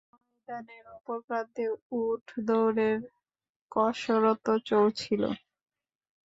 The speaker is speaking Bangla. ময়দানের অপর প্রান্তে উট দৌড়ের কসরত চলছিল।